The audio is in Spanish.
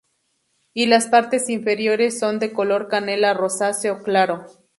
Y las partes inferiores son de color canela rosáceo claro.